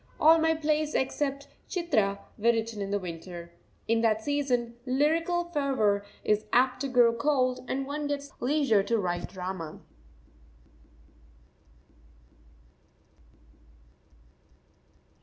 All my plays except "Chitra" were written in the winter. In that season lyrical fervour is apt to grow cold, and one gets the leisure to write drama.